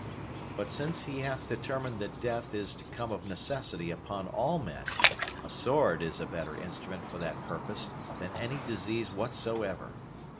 But since he hath determined that death is to come of necessity upon all men, a sword is a better instrument for that purpose than any disease whatsoever.